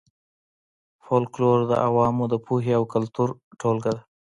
فولکلور د عوامو د پوهې او کلتور ټولګه ده